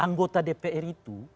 anggota dpr itu